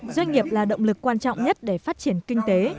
doanh nghiệp là động lực quan trọng nhất để phát triển kinh tế